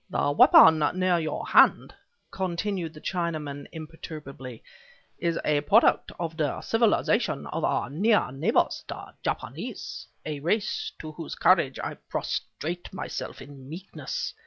"The weapon near your hand," continued the Chinaman, imperturbably, "is a product of the civilization of our near neighbors, the Japanese, a race to whose courage I prostrate myself in meekness.